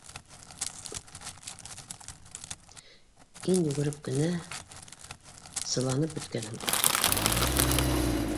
Ин йүгереп кенә, сы ланып бөткәнһең бит